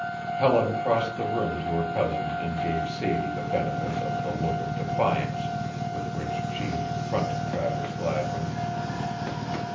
Helen crossed the room to her cousin and gave Sadie the benefit of the look of defiance with which she had confronted Travers Gladwin.